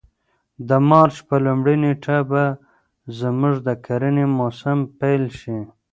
د مارچ په لومړۍ نېټه به زموږ د کرنې موسم پیل شي.